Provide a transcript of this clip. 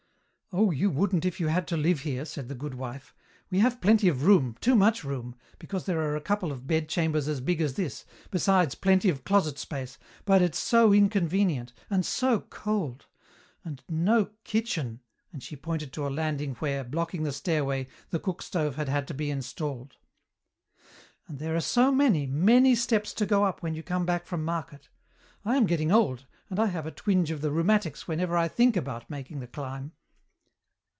"Oh, you wouldn't if you had to live here," said the good wife. "We have plenty of room, too much room, because there are a couple of bedchambers as big as this, besides plenty of closet space, but it's so inconvenient and so cold! And no kitchen " and she pointed to a landing where, blocking the stairway, the cook stove had had to be installed. "And there are so many, many steps to go up when you come back from market. I am getting old, and I have a twinge of the rheumatics whenever I think about making the climb."